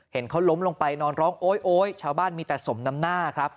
เห็นเขาล้มลงไปนอนร้องโอ๊ยโอ๊ยชาวบ้านมีแต่สมน้ำหน้าครับ